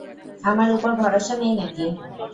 আমার উপর ভরসা নেই নাকি?